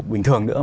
bình thường nữa